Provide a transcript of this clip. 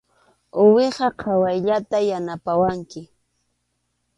Uwiha qhawayllata yanapawanki.